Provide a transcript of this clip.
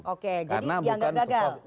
oke jadi dianggap gagal